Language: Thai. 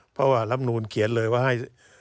เพราะว่าลำนูลเขียนเลยว่าให้